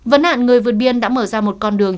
vấn nạn người vượt biên đã mở ra một con đường